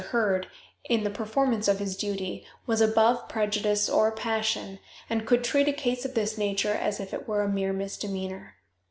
Heard, in the performance of his duty, was above prejudice or passion, and could treat a case of this nature as if it was a mere misdemeanor.